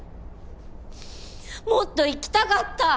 もっと生きたかった。